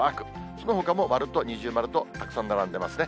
そのほかも丸と二重丸とたくさん並んでますね。